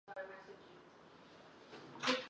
与其相反的是多语主义。